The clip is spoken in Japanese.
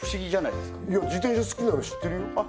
いや自転車好きなの知ってるよあっ